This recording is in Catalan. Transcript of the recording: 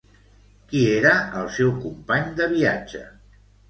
Qui era el seu company de viatge?